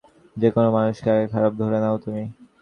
যেকোনো মানুষকে আগে খারাপ ধরে নাও তুমি।